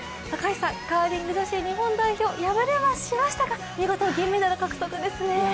高橋さん、カーリング女子、日本代表敗れはしましたが見事、銀メダル獲得ですね。